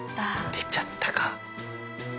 出ちゃったか。